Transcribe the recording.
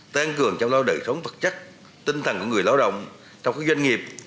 tăng cường trong lao đời sống vật chất tinh thần của người lao động trong các doanh nghiệp